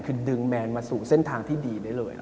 คือดึงแมนมาสู่เส้นทางที่ดีได้เลย